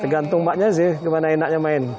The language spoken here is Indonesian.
tergantung maknya sih gimana enaknya main